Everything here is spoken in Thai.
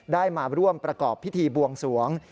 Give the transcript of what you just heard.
ได้มาร่วมประกอบพิธีบวงสวง